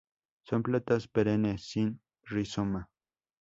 Son plantas perennes, sin rizoma.